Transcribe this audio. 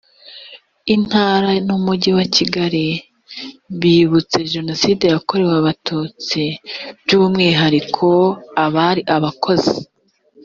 intara n umujyi wa kigali bibutse jenoside yakorewe abatutsi by umwihariko abari abakozi